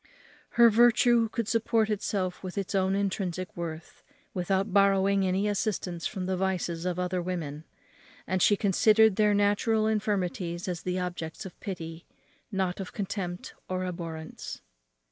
Her virtue could support itself with its own intrinsic worth, without borrowing any assistance from the vices of other women; and she considered their natural infirmities as the objects of pity, not of contempt or abhorrence.